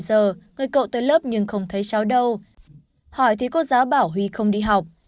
một mươi bảy giờ người cậu tới lớp nhưng không thấy cháu đâu hỏi thì cô giáo bảo huy không đi học